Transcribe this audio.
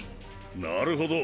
なるほど！